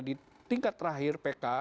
di tingkat terakhir pk